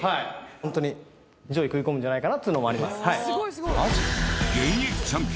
ホントに上位食い込むんじゃないかなっていうのもあります。